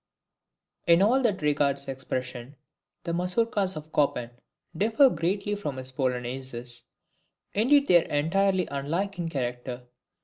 In all that regards expression, the MAZOURKAS of Chopin differ greatly from his POLONAISES. Indeed they are entirely unlike in character.